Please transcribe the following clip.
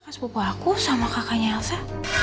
kas pupuk aku sama kakaknya elsa